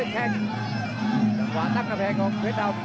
จังหวะหนักหน้าแฟกของเพชรดำ